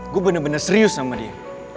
gue bener bener serius sama dia